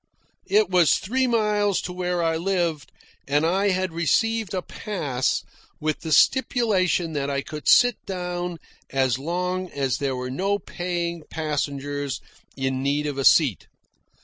It was three miles to where I lived, and I had received a pass with the stipulation that I could sit down as long as there were no paying passengers in need of a seat.